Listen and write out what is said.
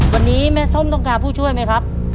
วันนี้แม่ส้มต้องการผู้ช่วยไหมครับ